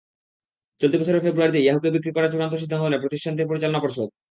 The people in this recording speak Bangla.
চলতি বছরের ফেব্রুয়ারিতে ইয়াহুকে বিক্রি করার চূড়ান্ত সিদ্ধান্ত নেয় প্রতিষ্ঠানটির পরিচালনা পর্ষদ।